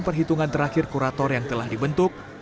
perhitungan terakhir kurator yang telah dibentuk